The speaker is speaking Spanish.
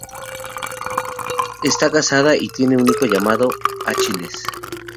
Está casada y tiene un hijo llamado Achilles.